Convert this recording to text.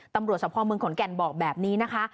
ตำรวจสะพอเมืองขอนแก่นบอกแบบนี้นะคะ